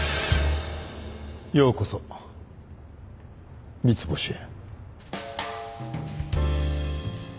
ようこそ三ツ星へ